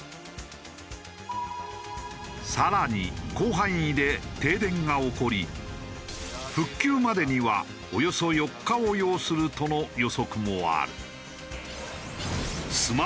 更に広範囲で停電が起こり復旧までにはおよそ４日を要するとの予測もある。